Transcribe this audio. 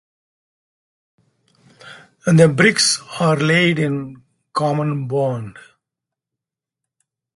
The bricks are laid in common bond.